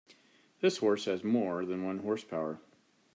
This horse has more than one horse power.